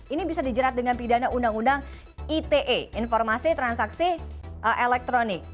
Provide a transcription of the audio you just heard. ini bisa dijerat dengan pidana undang undang ite informasi transaksi elektronik